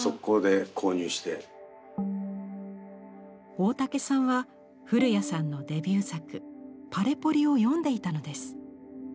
大竹さんは古屋さんのデビュー作「Ｐａｌｅｐｏｌｉ」を読んでいたのです。